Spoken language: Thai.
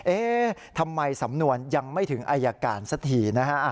เอ๊ะทำไมสำนวนยังไม่ถึงอายการสักทีนะฮะ